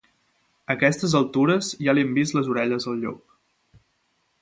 A aquestes altures ja li hem vist les orelles al llop.